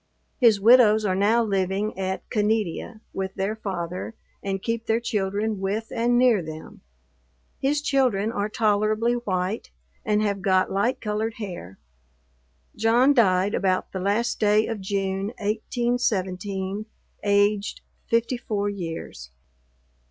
His widows are now living at Caneadea with their father, and keep their children with, and near them. His children are tolerably white, and have got light colored hair. John died about the last day of June, 1817, aged 54 years.